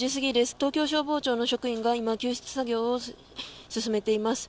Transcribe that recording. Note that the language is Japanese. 東京消防庁の職員が今、救出作業を進めています。